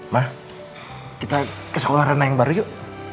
ma kita ke sekolah reina yang baru yuk